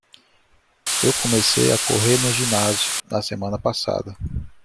Eu comecei a correr no ginásio na semana passada.